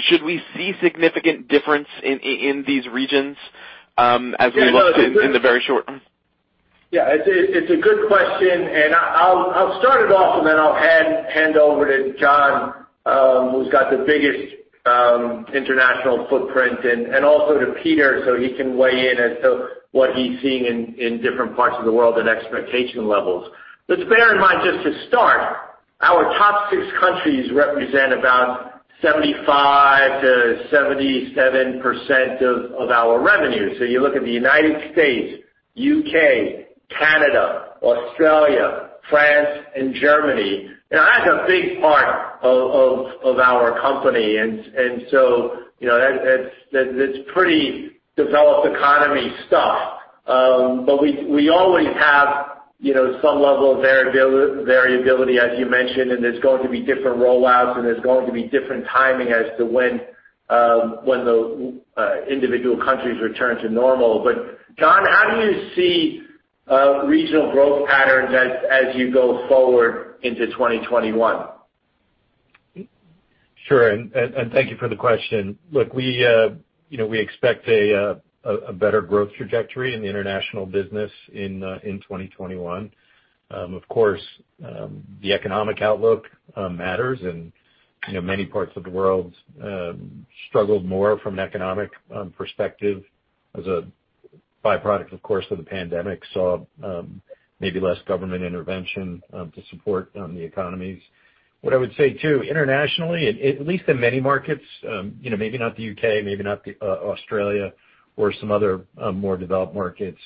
Should we see significant difference in these regions as we look to in the very short? Yeah, it's a good question. I'll start it off, then I'll hand over to John, who's got the biggest international footprint, and also to Peter so he can weigh in as to what he's seeing in different parts of the world and expectation levels. To bear in mind, just to start, our top six countries represent about 75%-77% of our revenue. You look at the United States, U.K., Canada, Australia, France, and Germany. Now, that's a big part of our company, and that's pretty developed economy stuff. We always have some level of variability, as you mentioned, and there's going to be different rollouts, and there's going to be different timing as to when the individual countries return to normal. John, how do you see regional growth patterns as you go forward into 2021? Sure. Thank you for the question. Look, we expect a better growth trajectory in the international business in 2021. Of course, the economic outlook matters, and many parts of the world struggled more from an economic perspective as a byproduct, of course, of the pandemic. Maybe less government intervention to support the economies. What I would say too, internationally, at least in many markets, maybe not the U.K., maybe not Australia, or some other more developed markets,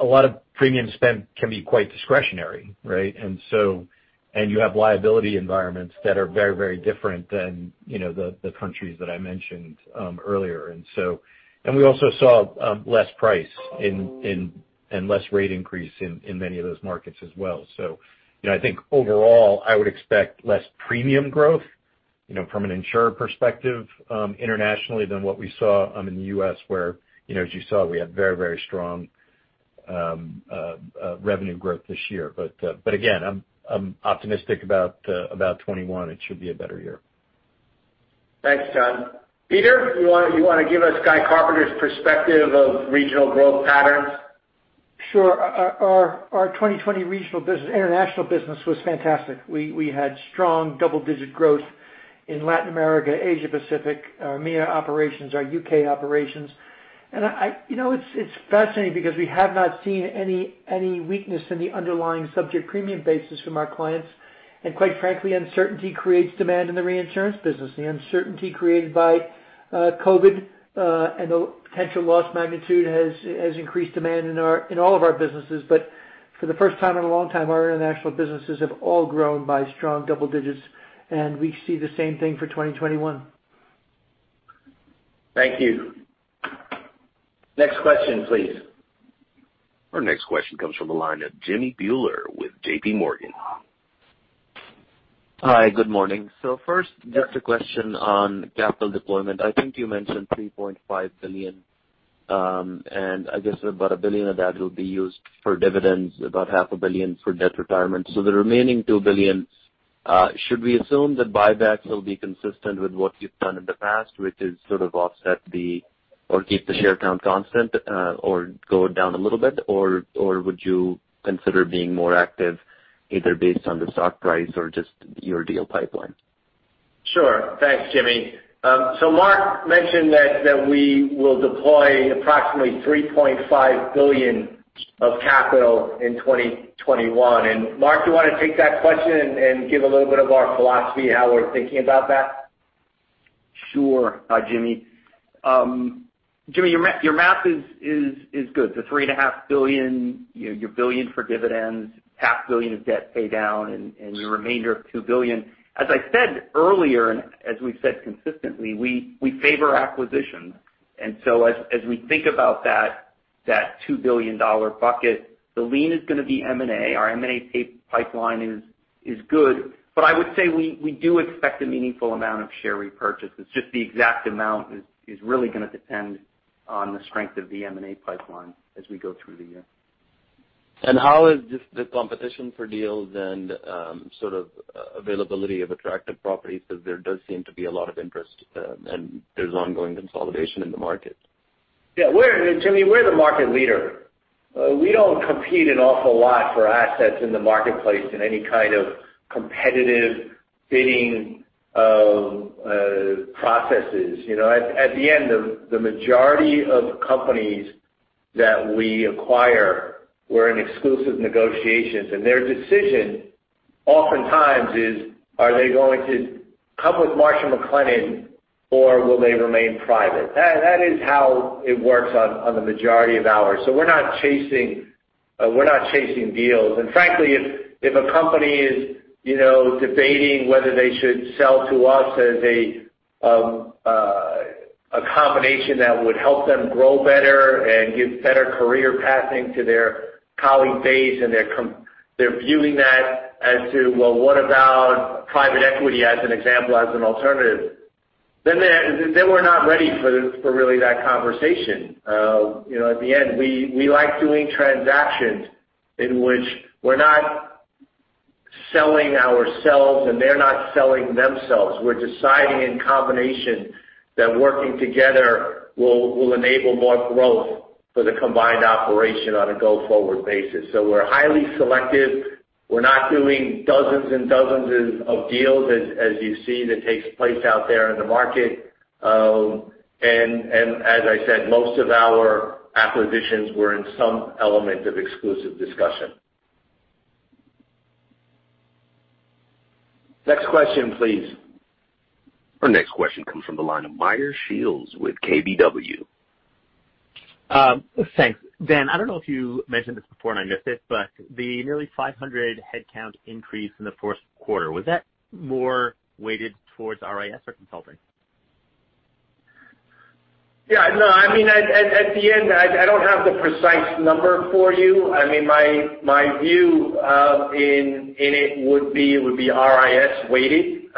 a lot of premium spend can be quite discretionary, right? You have liability environments that are very, very different than the countries that I mentioned earlier. We also saw less price and less rate increase in many of those markets as well. And I think overall, I would expect less premium growth from an insurer perspective internationally than what we saw in the US, where, as you saw, we had very, very strong revenue growth this year. Again, I'm optimistic about 2021. It should be a better year. Thanks, John. Peter, you want to give us Guy Carpenter's perspective of regional growth patterns? Sure. Our 2020 international business was fantastic. We had strong double-digit growth in Latin America, Asia Pacific, our EMEA operations, our U.K. operations. It is fascinating because we have not seen any weakness in the underlying subject premium basis from our clients. Quite frankly, uncertainty creates demand in the reinsurance business. The uncertainty created by COVID and the potential loss magnitude has increased demand in all of our businesses. For the first time in a long time, our international businesses have all grown by strong double digits, and we see the same thing for 2021. Thank you. Next question, please. Our next question comes from the line of Jimmy Bhullar with JP Morgan. Hi, good morning. First, just a question on capital deployment. I think you mentioned $3.5 billion, and I guess about $1 billion of that will be used for dividends, about $500,000,000 for debt retirement. The remaining $2 billion, should we assume that buybacks will be consistent with what you've done in the past, which is sort of offset the or keep the share count constant or go down a little bit, or would you consider being more active either based on the stock price or just your deal pipeline? Sure. Thanks, Jimmy. Mark mentioned that we will deploy approximately $3.5 billion of capital in 2021. Mark, do you want to take that question and give a little bit of our philosophy, how we're thinking about that? Sure, Jimmy. Jimmy, your math is good. The $3.5 billion, your billion for dividends, $500,000 of debt pay down, and your remainder of $2 billion. As I said earlier, and as we've said consistently, we favor acquisitions. As we think about that $2 billion bucket, the lean is going to be M&A. Our M&A pipeline is good. I would say we do expect a meaningful amount of share repurchase. It's just the exact amount is really going to depend on the strength of the M&A pipeline as we go through the year. How is just the competition for deals and sort of availability of attractive properties? Because there does seem to be a lot of interest, and there's ongoing consolidation in the market. Yeah. Jimmy, we're the market leader. We don't compete an awful lot for assets in the marketplace in any kind of competitive bidding processes. At the end, the majority of companies that we acquire were in exclusive negotiations. Their decision oftentimes is, are they going to come with Marsh & McLennan, or will they remain private? That is how it works on the majority of ours. We're not chasing deals. Frankly, if a company is debating whether they should sell to us as a combination that would help them grow better and give better career pathing to their colleague base, and they're viewing that as to, well, what about private equity as an example, as an alternative, then we're not ready for really that conversation. At the end, we like doing transactions in which we're not selling ourselves and they're not selling themselves. We're deciding in combination that working together will enable more growth for the combined operation on a go-forward basis. We're highly selective. We're not doing dozens and dozens of deals, as you see that takes place out there in the market. As I said, most of our acquisitions were in some element of exclusive discussion. Next question, please. Our next question comes from the line of Meyer Shields with KBW. Thanks. Dan, I do not know if you mentioned this before and I missed it, but the nearly 500 headcount increase in the fourth quarter, was that more weighted towards RIS or consulting? Yeah. No, I mean, at the end, I don't have the precise number for you. I mean, my view in it would be RIS-weighted.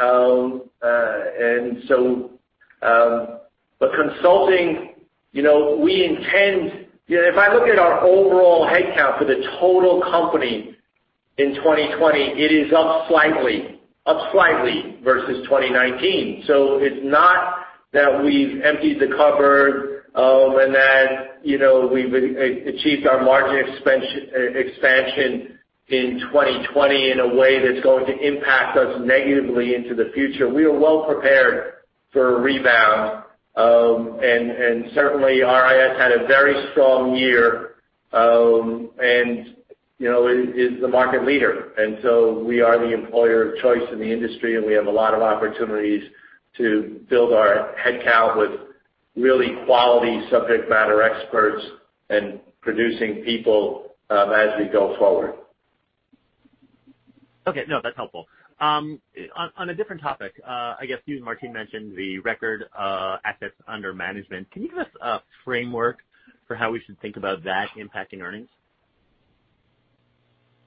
Consulting, we intend if I look at our overall headcount for the total company in 2020, it is up slightly, up slightly versus 2019. It is not that we've emptied the cupboard and that we've achieved our margin expansion in 2020 in a way that's going to impact us negatively into the future. We are well prepared for a rebound. Certainly, RIS had a very strong year and is the market leader. We are the employer of choice in the industry, and we have a lot of opportunities to build our headcount with really quality subject matter experts and producing people as we go forward. Okay. No, that's helpful. On a different topic, I guess you and Martine mentioned the record assets under management. Can you give us a framework for how we should think about that impacting earnings?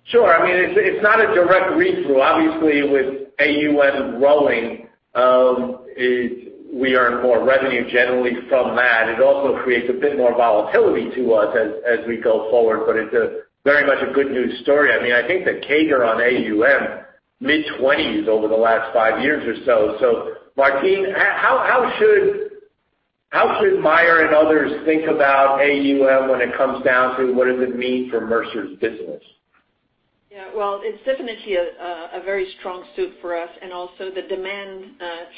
Sure. I mean, it's not a direct read-through. Obviously, with AUM growing, we earn more revenue generally from that. It also creates a bit more volatility to us as we go forward, but it's very much a good news story. I mean, I think the CAGR on AUM, mid-20s over the last five years or so. Martine, how should Meyer and others think about AUM when it comes down to what does it mean for Mercer's business? Yeah. It is definitely a very strong suit for us. Also, the demand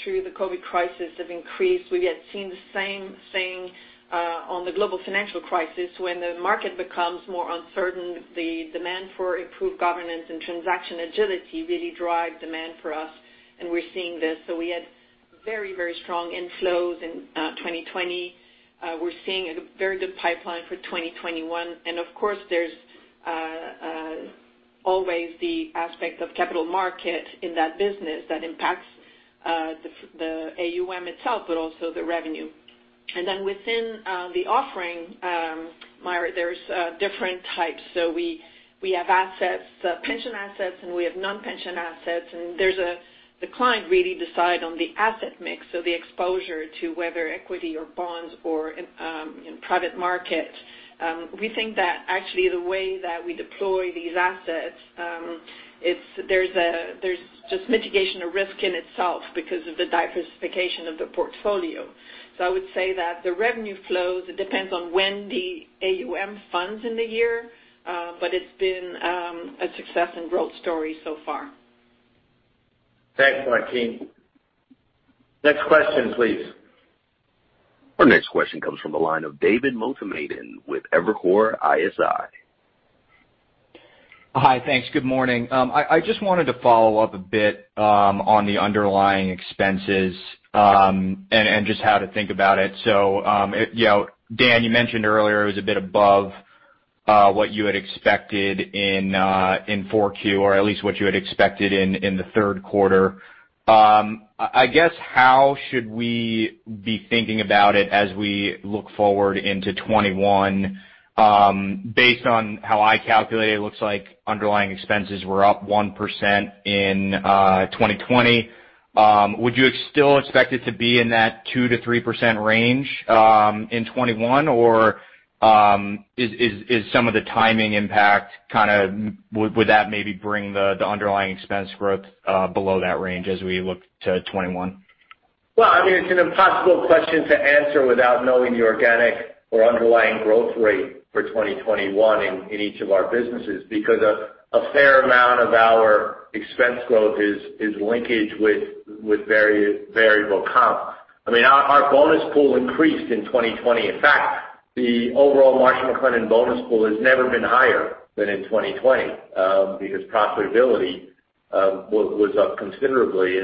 through the COVID crisis has increased. We had seen the same thing in the global financial crisis. When the market becomes more uncertain, the demand for improved governance and transaction agility really drives demand for us, and we are seeing this. We had very, very strong inflows in 2020. We are seeing a very good pipeline for 2021. Of course, there is always the aspect of capital market in that business that impacts the AUM itself, but also the revenue. Within the offering, Meyer, there are different types. We have assets, pension assets, and we have non-pension assets. The client really decides on the asset mix, so the exposure to whether equity or bonds or private market. We think that actually the way that we deploy these assets, there's just mitigation of risk in itself because of the diversification of the portfolio. I would say that the revenue flows, it depends on when the AUM funds in the year, but it's been a success and growth story so far. Thanks, Martine. Next question, please. Our next question comes from the line of David Motemaden with Evercore ISI. Hi, thanks. Good morning. I just wanted to follow up a bit on the underlying expenses and just how to think about it. Dan, you mentioned earlier it was a bit above what you had expected in Q4, or at least what you had expected in the third quarter. I guess how should we be thinking about it as we look forward into 2021? Based on how I calculated, it looks like underlying expenses were up 1% in 2020. Would you still expect it to be in that 2-3% range in 2021, or is some of the timing impact kind of would that maybe bring the underlying expense growth below that range as we look to 2021? I mean, it's an impossible question to answer without knowing the organic or underlying growth rate for 2021 in each of our businesses because a fair amount of our expense growth is linkage with variable comp. I mean, our bonus pool increased in 2020. In fact, the overall Marsh & McLennan bonus pool has never been higher than in 2020 because profitability was up considerably.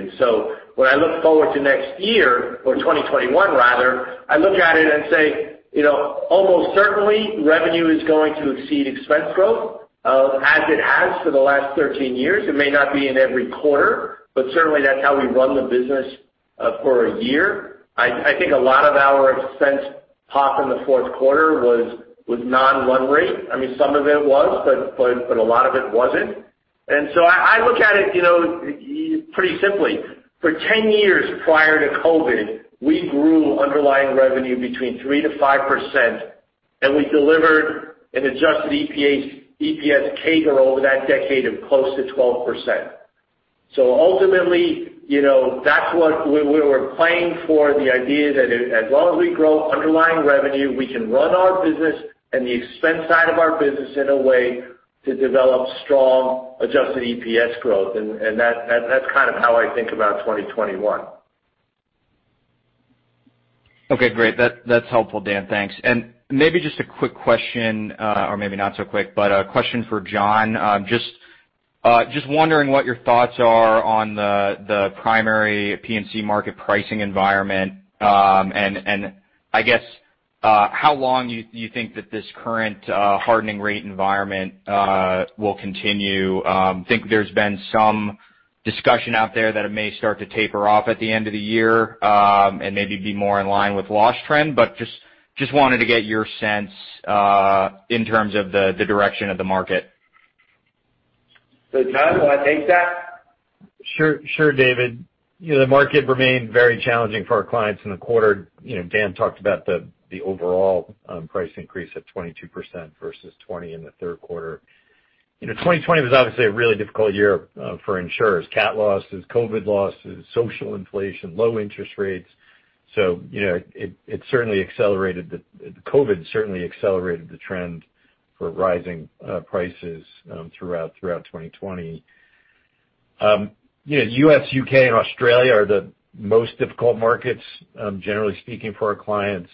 When I look forward to next year, or 2021 rather, I look at it and say, almost certainly revenue is going to exceed expense growth as it has for the last 13 years. It may not be in every quarter, but certainly that's how we run the business for a year. I think a lot of our expense pop in the fourth quarter was non-run rate. I mean, some of it was, but a lot of it wasn't. I look at it pretty simply. For 10 years prior to COVID, we grew underlying revenue between 3-5%, and we delivered an adjusted EPS CAGR over that decade of close to 12%. Ultimately, that is what we were playing for, the idea that as long as we grow underlying revenue, we can run our business and the expense side of our business in a way to develop strong adjusted EPS growth. That is kind of how I think about 2021. Okay. Great. That's helpful, Dan. Thanks. Maybe just a quick question, or maybe not so quick, but a question for John. Just wondering what your thoughts are on the primary P&C market pricing environment. I guess how long you think that this current hardening rate environment will continue. Think there's been some discussion out there that it may start to taper off at the end of the year and maybe be more in line with loss trend, but just wanted to get your sense in terms of the direction of the market. John, do you want to take that? Sure, David. The market remained very challenging for our clients in the quarter. Dan talked about the overall price increase at 22% versus 20% in the third quarter. 2020 was obviously a really difficult year for insurers. Cat losses, COVID losses, social inflation, low interest rates. It certainly accelerated, the COVID certainly accelerated the trend for rising prices throughout 2020. U.S., U.K., and Australia are the most difficult markets, generally speaking, for our clients.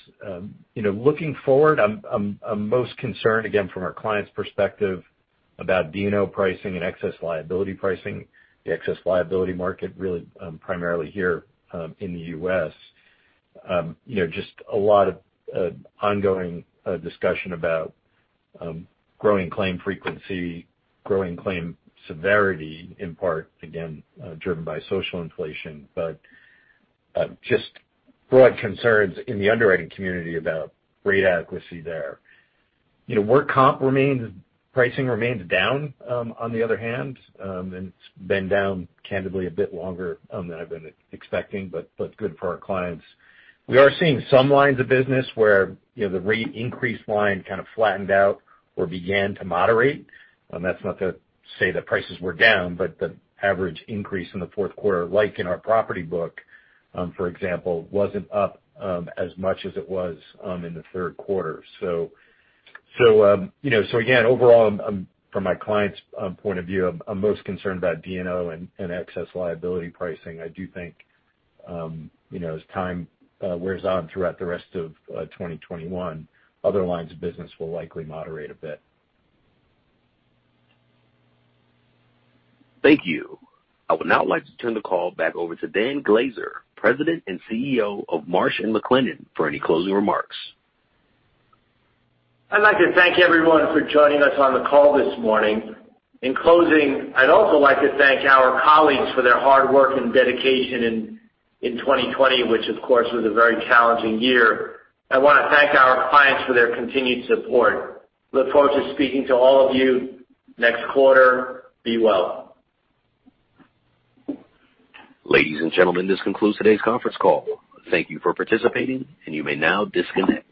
Looking forward, I'm most concerned, again, from our client's perspective about D&O pricing and excess liability pricing, the excess liability market really primarily here in the U.S. Just a lot of ongoing discussion about growing claim frequency, growing claim severity, in part, again, driven by social inflation, but just broad concerns in the underwriting community about rate adequacy there. Work comp pricing remains down, on the other hand. It has been down, candidly, a bit longer than I have been expecting, but good for our clients. We are seeing some lines of business where the rate increase line kind of flattened out or began to moderate. That is not to say that prices were down, but the average increase in the fourth quarter, like in our property book, for example, was not up as much as it was in the third quarter. Overall, from my client's point of view, I am most concerned about D&O and excess liability pricing. I do think as time wears on throughout the rest of 2021, other lines of business will likely moderate a bit. Thank you. I would now like to turn the call back over to Dan Glaser, President and CEO of Marsh & McLennan, for any closing remarks. I'd like to thank everyone for joining us on the call this morning. In closing, I'd also like to thank our colleagues for their hard work and dedication in 2020, which, of course, was a very challenging year. I want to thank our clients for their continued support. Look forward to speaking to all of you next quarter. Be well. Ladies and gentlemen, this concludes today's conference call. Thank you for participating, and you may now disconnect.